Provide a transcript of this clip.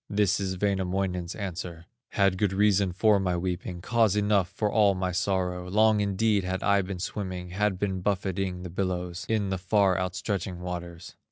This is Wainamoinen's answer: "Had good reason for my weeping, Cause enough for all my sorrow; Long indeed had I been swimming, Had been buffeting the billows, In the far outstretching waters.